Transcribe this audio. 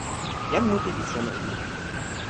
jan mute li sona e ni: